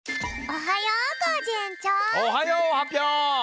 おはよう！